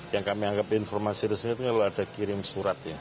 yang kami anggap informasi resmi itu kalau ada kirim surat ya